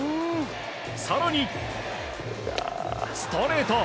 更に、ストレート。